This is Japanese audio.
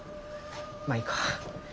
まあいいか。